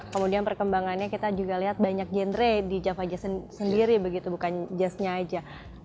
kemudian perkembangannya kita juga lihat banyak genre di java jazz sendiri begitu bukan jazznya aja